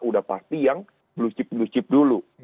udah pasti yang blue chip blue chip dulu